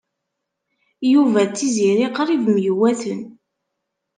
Yuba d Tiziri qrib myewwaten.